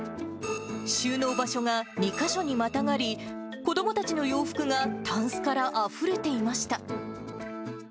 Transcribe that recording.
収納場所が２か所にまたがり、子どもたちの洋服がたんすからあふれていました。